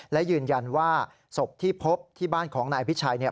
และยืนยันว่าศพที่พบที่บ้านของนายอภิชัยเนี่ย